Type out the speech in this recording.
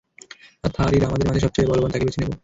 থরির আমাদের মাঝে যে সবচেয়ে বলবান, তাকেই বেছে নেবে।